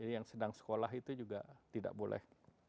jadi yang sedang sekolah itu juga tidak boleh